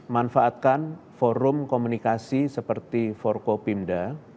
manfaatkan forum komunikasi seperti forkopimda